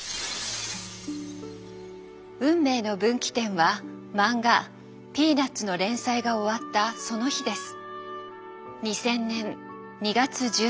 運命の分岐点はマンガ「ピーナッツ」の連載が終わったその日です。